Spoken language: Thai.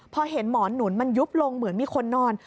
พอเห็นหมอนหนุนมันยุบลงเหมือนมีคนนอน